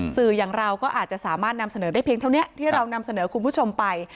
สื่ออย่างเราก็อาจจะสามารถนำเสนอได้เพียงเท่านี้ที่เรานำเสนอคุณผู้ชมไป